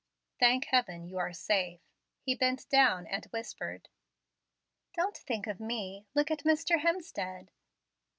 "Thank heaven you are safe," he bent down and whispered. "Don't think of me. Look at Mr. Hemstead."